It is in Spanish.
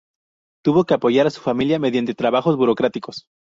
Tuvo que apoyar a su familia mediante trabajos burocráticos.